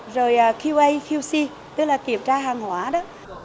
rồi qa qc tức là kiểm tra hàng hóa đó